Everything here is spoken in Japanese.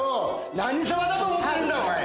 何様だと思ってんだおい！